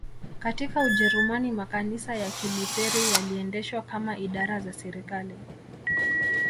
katika Ujerumani makanisa ya Kilutheri yaliendeshwa kama idara za serikali